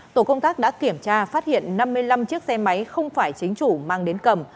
tổ công tác đã kiểm tra phát hiện năm mươi năm chiếc xe máy không phải chính chủ mang đến cầm